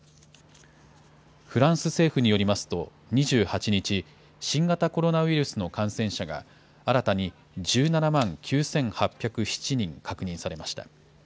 フランス政府によりますと、２８日、新型コロナウイルスの感染者が新たに１７万９８０７人確認されました。